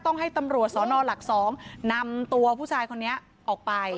ให้ตำรวจสนหลัก๒นำตัวผู้ชายคนนี้ออกไป